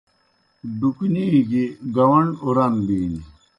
ڈُکنی گیْ گاوݨ اُران بِینیْ۔